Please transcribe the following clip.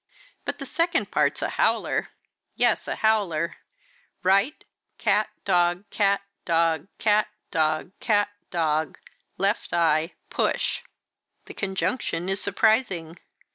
But the second part's a howler; yes, a howler! 'Right cat dog cat dog cat dog cat dog left eye push!' The conjunction is surprising.